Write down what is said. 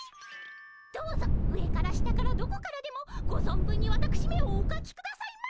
どうぞ上から下からどこからでもご存分にわたくしめをおかきくださいま。